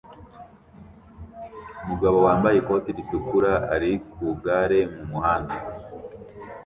Umugabo wambaye ikoti ritukura ari ku igare mu muhanda